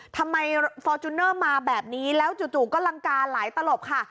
ทำไมฟอร์จูเนอร์มาแบบนี้แล้วจู่ก็ลังกาหลายตลบค่ะ